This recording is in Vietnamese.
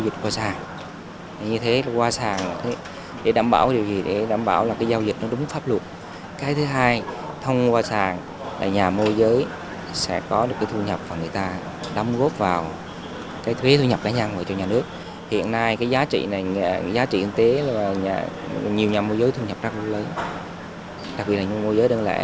nhiều nhà môi giới thường nhập ra lúc lấy đặc biệt là những môi giới đơn lệ